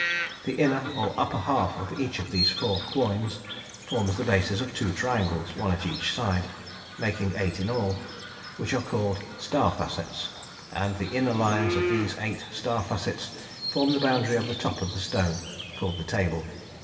The inner or upper half of each of these four quoins forms the bases of two triangles, one at each side, making eight in all, which are called "star facets," and the inner lines of these eight star facets form the boundary of the top of the stone, called the "table."